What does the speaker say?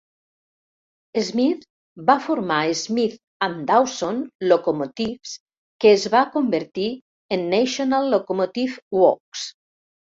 Smith va formar Smith and Dawson Locomotives, que es va convertir en National Locomotive Works.